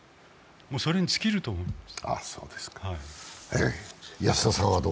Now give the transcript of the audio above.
それに尽きると思います。